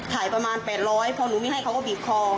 ขายประมาณ๘๐๐พอหนูไม่ให้เขาก็บีบคอ